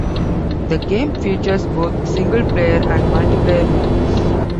The game features both single-player and multiplayer modes.